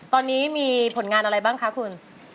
ตอนนี้มีผลงานอะไรบ้างคะคุณ